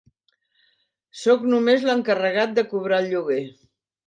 Soc només l'encarregat de cobrar el lloguer.